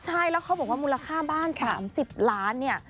ใช่แล้วเขาบอกว่ามูลค่าบ้าน๓๐ล้านเนี่ย